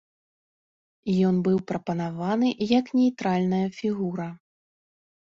Ён быў прапанаваны як нейтральная фігура.